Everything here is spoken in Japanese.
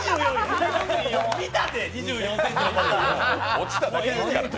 落ちただけですからね。